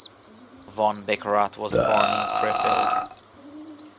Von Beckerath was born in Krefeld.